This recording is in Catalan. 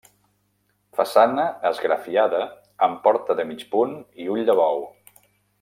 Façana esgrafiada amb porta de mig punt i ull de bou.